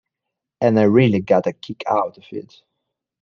And I really got a kick out of it.